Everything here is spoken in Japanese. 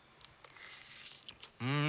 うん！